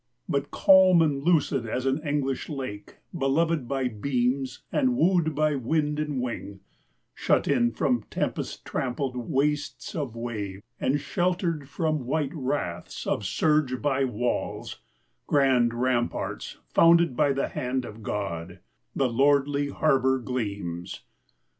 But calm and lucid as an English lake, Beloved by beams and wooed by wind and wing, Shut in from tempest trampled wastes of wave, And sheltered from white wraths of surge by walls Grand ramparts founded by the hand of God, The lordly Harbour gleams.